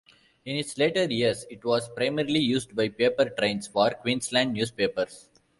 In its later years, it was primarily used by paper trains for Queensland Newspapers.